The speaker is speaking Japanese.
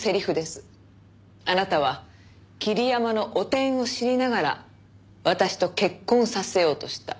あなたは桐山の汚点を知りながら私と結婚させようとした。